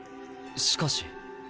しかし。